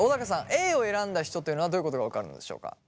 Ａを選んだ人というのはどういうことが分かるんでしょうか？